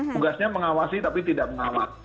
tugasnya mengawasi tapi tidak mengawal